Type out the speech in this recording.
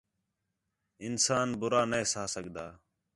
انسان بَرّا نے سہہ سڳدا